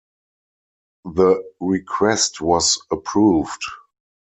The request was approved.